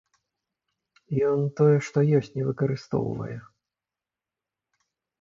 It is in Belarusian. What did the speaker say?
Ён тое, што ёсць, не выкарыстоўвае.